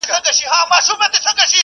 هم له خپلو هم پردیو را جلا وه .